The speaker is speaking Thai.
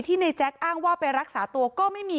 ในแจ๊คอ้างว่าไปรักษาตัวก็ไม่มี